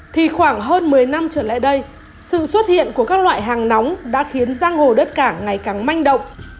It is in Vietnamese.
thì khoảng hơn một mươi năm trở lại đây sự xuất hiện của các loại hàng nóng đã khiến giang hồ đất cảng ngày càng manh động